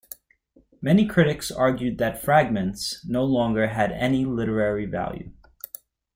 Many critics argued that "Fragments" no longer had any literary value.